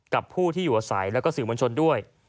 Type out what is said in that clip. กับผู้ที่อยู่อาศัยแล้วก็สื่อมวลชนด้วย